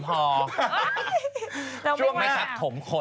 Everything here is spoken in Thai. ประวังเดี๋ยวจริง